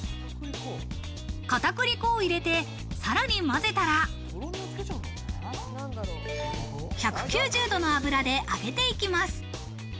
片栗粉を入れてさらに混ぜたら、１９０度の油で揚げていきます。